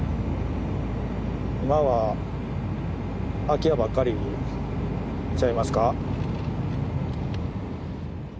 今は空き家ばっかりちゃいますか。